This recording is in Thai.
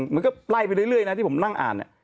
มันก็ไล่ไปเรื่อยนะที่ผมนั่งอ่าน